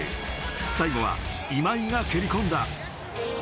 最後は今井が蹴り込んだ。